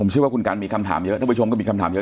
เชื่อว่าคุณกันมีคำถามเยอะท่านผู้ชมก็มีคำถามเยอะ